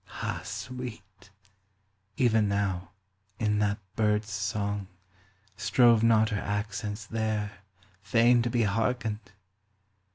(Ah sweet ! Even now, in that bird's song, Strove not her accents there, Fain to be hearkened